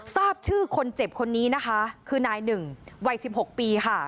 ทราบชื่อคนเจ็บคนนี้นะคะคือนายหนึ่งวัย๑๖ปีค่ะ